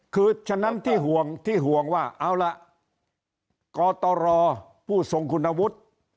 คือฉะนั้นที่ห่วงที่ห่วงว่าเอาล่ะกตรผู้ทรงคุณวุฒิ